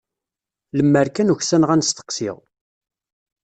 Lemmer uksaneɣ ar n-steqsiɣ.